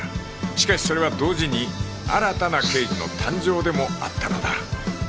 しかしそれは同時に新たな刑事の誕生でもあったのだ